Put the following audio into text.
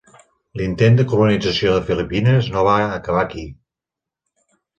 L'intent de colonització de Filipines no va acabar aquí.